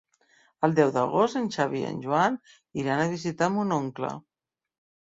El deu d'agost en Xavi i en Joan iran a visitar mon oncle.